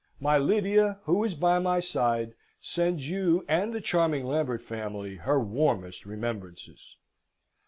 My Lydia, who is by my side, sends you and the charming Lambert family her warmest remembrances.